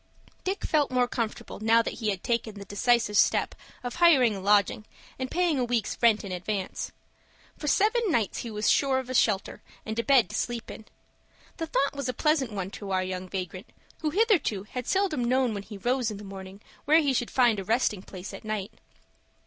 Dick felt more comfortable now that he had taken the decisive step of hiring a lodging, and paying a week's rent in advance. For seven nights he was sure of a shelter and a bed to sleep in. The thought was a pleasant one to our young vagrant, who hitherto had seldom known when he rose in the morning where he should find a resting place at night.